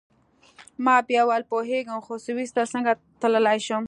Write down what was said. ما بیا وویل: پوهیږم، خو سویس ته څنګه تلای شم؟